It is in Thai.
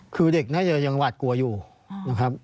คือเด็กน่าจะยังหวาดกลัวอยู่นะครับ